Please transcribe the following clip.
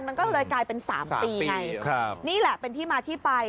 มันก็เลยกลายเป็น๓ปีไงครับนี่แหละเป็นที่มาที่ไป